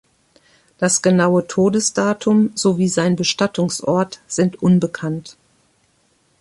Das genau Todesdatum, sowie sein Bestattungsort sind unbekannt.